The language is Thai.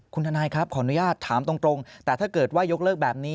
คุณทนายครับขออนุญาตถามตรงแต่ถ้าเกิดว่ายกเลิกแบบนี้